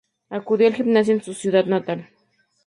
Acudió al gimnasio en su ciudad natal.